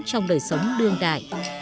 trong đời sống đương đại